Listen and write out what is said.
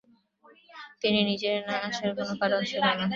তিনি নজরে না আসার কোন কারণ ছিল না।